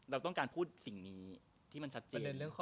เราต้องการพูดสิ่งนี้ที่มันชัดเจน